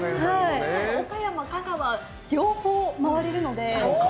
岡山、香川、両方回れるので。